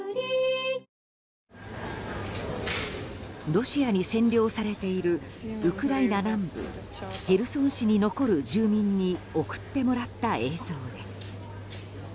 ロシアに占領されているウクライナ南部ヘルソン州に残る住民に送ってもらった映像です。